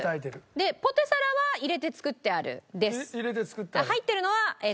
ポテサラは入れて作ってある？です。